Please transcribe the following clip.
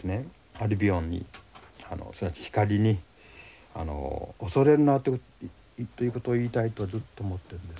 アルビオンにすなわち光に「恐れるな」ということを言いたいとずっと思ってるんです。